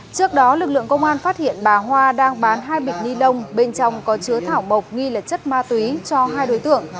trước đó lực lượng công an phát hiện bà hoa đang bán hai bịch ni lông bên trong có chứa thảo bộc nghi là chất ma túy cho hai đối tượng